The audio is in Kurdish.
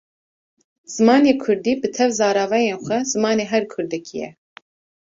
Zimanê Kurdî bi tev zaravayên xwe zimanê her Kurdekî ye.